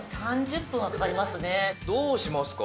「どうしますか？